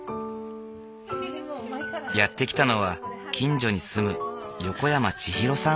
やって来たのは近所に住む横山ちひろさん